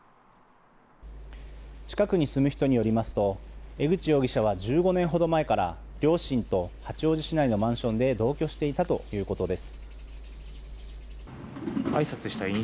近くに住む人によりますと江口容疑者は１５年ほど前から両親と八王子市内のマンションで同居していたということです。